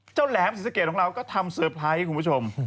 เจ้าแหลมศรีสะเกียร์ของเราก็ทำเซอร์ไพรส์ให้คุณผู้ชม